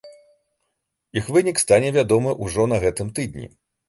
Іх вынік стане вядомы ўжо на гэтым тыдні.